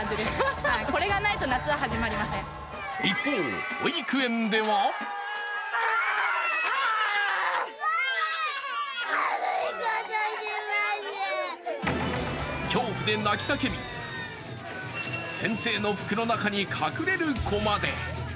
一方、保育園では恐怖で泣き叫び、先生の服の中に隠れる子まで。